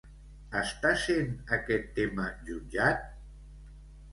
Està sent aquest tema jutjat?